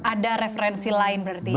ada referensi lain berarti ya